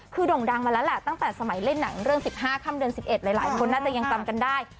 คือโด่งดังมาแล้วละตั้งแต่สมัยเล่นหนังเรื่องสิบห้าข้ามเดือนสิบเอ็ดหลายคนน่าจะยังจำกันได้